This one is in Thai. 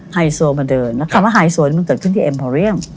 ไฮโซมาเดินนะคะคำว่าไฮโซนี่มันเกิดขึ้นที่เอ็มพอเรียม